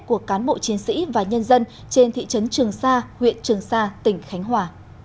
của cán bộ chiến sĩ và nhân dân trên thị trấn trường sa huyện trường sa tỉnh khánh hòa